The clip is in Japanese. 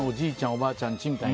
おばあちゃんちみたいな。